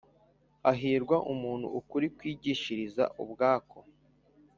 Hahirwa umuntu ukuri kwigishiriza ubwako